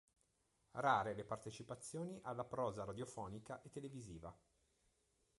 Rare le partecipazioni alla prosa radiofonica e televisiva.